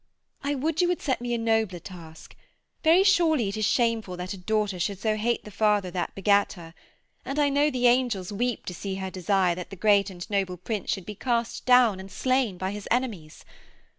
'I would you would set me a nobler task. Very surely it is shameful that a daughter should so hate the father that begat her; and I know the angels weep to see her desire that the great and noble prince should be cast down and slain by his enemies.